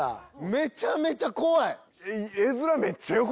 めちゃめちゃ怖い！